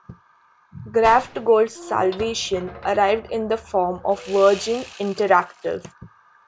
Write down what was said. Graftgold's salvation arrived in the form of Virgin Interactive.